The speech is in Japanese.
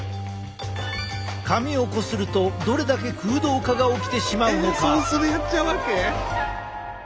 髪をこするとどれだけ空洞化が起きてしまうのか？